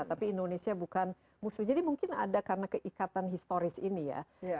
tapi indonesia bukan musuh jadi mungkin ada karena keikatan historis ini ya